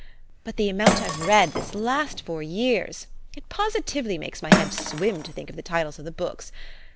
But the amount I've read this last four 3'ears ! It positively makes my head swim to think of the titles of the books.